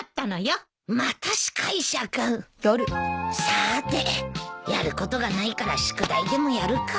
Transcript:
さーてやることがないから宿題でもやるか。